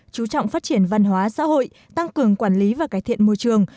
chú trọng phát triển văn hóa xã hội tăng cường quản lý và cải thiện môi trường